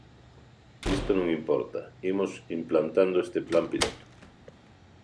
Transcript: Isto non importa, imos implantando este plan piloto.